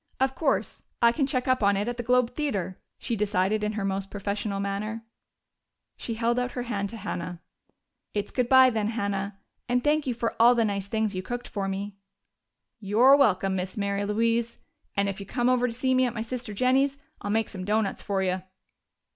"Of course, I can check up on it at the Globe Theater," she decided in her most professional manner. She held out her hand to Hannah. "It's good bye, then, Hannah and thank you for all the nice things you cooked for me." "You're welcome, Miss Mary Louise. And if you come over to see me at my sister Jennie's, I'll make some doughnuts for you."